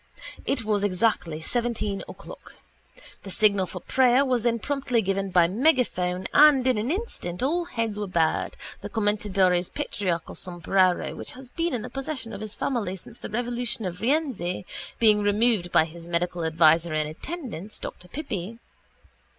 It was exactly seventeen o'clock. The signal for prayer was then promptly given by megaphone and in an instant all heads were bared, the commendatore's patriarchal sombrero, which has been in the possession of his family since the revolution of Rienzi, being removed by his medical adviser in attendance, Dr Pippi.